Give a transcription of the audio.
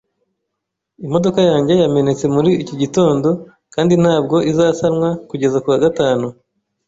Imodoka yanjye yamenetse muri iki gitondo kandi ntabwo izasanwa kugeza kuwa gatanu.